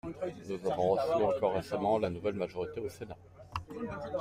Nous avons reçu encore récemment la nouvelle majorité du Sénat.